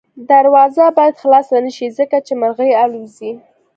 دروازه باید خلاصه نه شي ځکه چې مرغۍ الوځي.